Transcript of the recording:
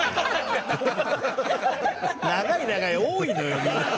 「長い長い」多いのよみんな。